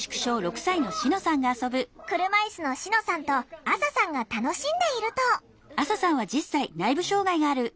車いすのしのさんとあささんが楽しんでいると。